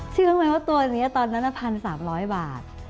ชื่อข้างในว่าตัวนี้ตอนนั้น๑๓๐๐บาท